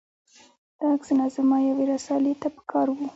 دا عکسونه زما یوې رسالې ته په کار و.